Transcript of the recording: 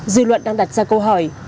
dư luận đang đặt ra câu hỏi